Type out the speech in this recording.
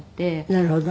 なるほど。